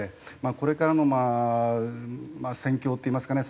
これからのまあ戦況っていいますかね